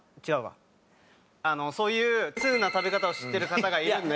そういう通な食べ方を知ってる方がいるんで。